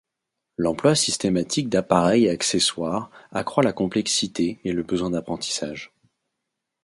L'emploi systématique d'appareils et accessoires accroît la complexité et le besoin d'apprentissage.